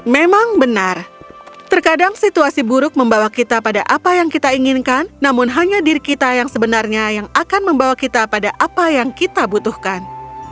memang benar terkadang situasi buruk membawa kita pada apa yang kita inginkan namun hanya diri kita yang sebenarnya yang akan membawa kita pada apa yang kita butuhkan